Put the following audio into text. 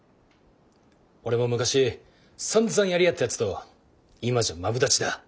俺も昔さんざんやり合ったやつと今じゃマブダチだ。